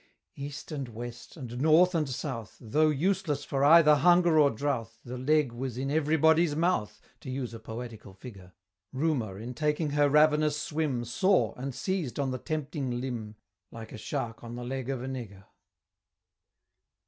East and west, and north and south, Though useless for either hunger or drouth, The Leg was in everybody's mouth, To use a poetical figure, Rumor, in taking her ravenous swim, Saw, and seized on the tempting limb, Like a shark on the leg of a nigger.